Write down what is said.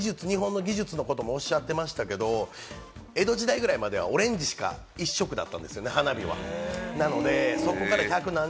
日本の技術のこともおっしゃってましたけど、江戸時代ぐらいまではオレンジしか一色だったんですよね、花火は。